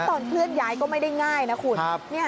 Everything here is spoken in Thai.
นี่ตอนเพื่อนย้ายก็ไม่ได้ง่ายนะขุด